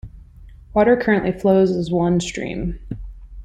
Water currently flows as one stream.